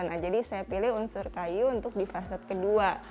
nah jadi saya pilih unsur kayu untuk di faset kedua